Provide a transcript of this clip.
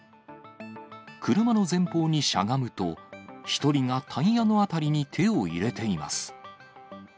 車の前方にしゃがむと、１人がタイヤのあたりに手を入れています。